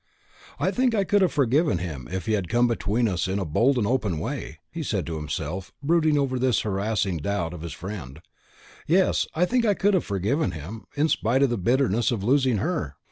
"I think I could have forgiven him if he had come between us in a bold and open way," he said to himself, brooding over this harassing doubt of his friend; "yes, I think I could have forgiven him, in spite of the bitterness of losing her.